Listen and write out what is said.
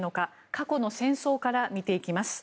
過去の戦争から見ていきます。